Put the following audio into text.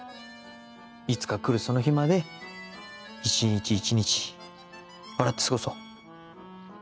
いつか来るその日まで一日一日笑って過ごそう。